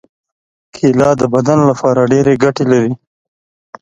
کېله د بدن لپاره ډېرې ګټې لري.